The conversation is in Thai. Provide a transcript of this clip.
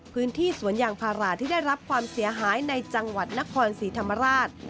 พื้นที่สวนยางพาราที่ได้รับความเสียหายในจังหวัดนครศรีธรรมราช